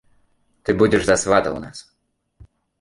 Ты будзеш за свата ў нас!